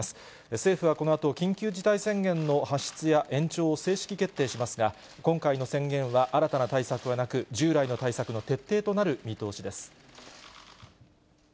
政府はこのあと、緊急事態宣言の発出や延長を正式決定しますが、今回の宣言は新たな対策はなく、従来の対策の徹底となる見通しです。